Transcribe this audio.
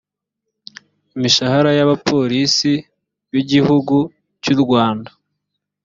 imishahara y’abapolisi b’igihugu cy’u rwanda